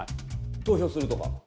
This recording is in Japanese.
投票するとか。